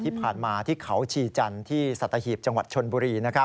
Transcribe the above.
ที่ผ่านมาที่เขาชีจันทร์ที่สัตหีบจังหวัดชนบุรี